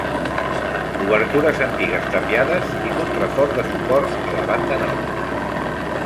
Obertures antigues tapiades i contrafort de suport a la banda nord.